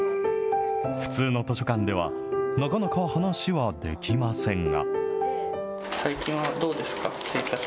普通の図書館では、なかなか話はできませんが。